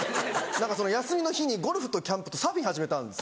休みの日にゴルフとキャンプとサーフィン始めたんですよね。